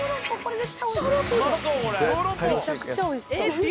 めちゃくちゃおいしそう。